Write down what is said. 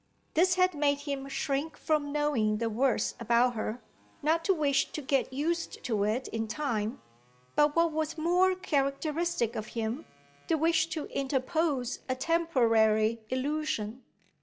This had made him shrink from knowing the worst about her; not the wish to get used to it in time, but what was more characteristic of him, the wish to interpose a temporary illusion.